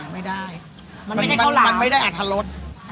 มันไม่ได้อรรถฤทธิ์